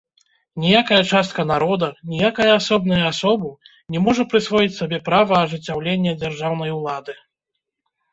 Ніякая частка народа, ніякая асобная асобу не можа прысвоіць сабе права ажыццяўлення дзяржаўнай улады.